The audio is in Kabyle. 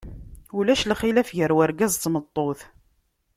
Ulac lxilaf gar wergaz d tmeṭṭut.